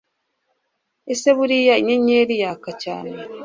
Ese buriya inyenyeri yaka cyane?